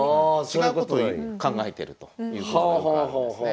違うこと考えてるということがよくあるんですね。